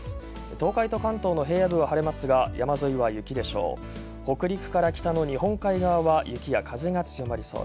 東海と関東の平野部は晴れますが山沿いは雪でしょう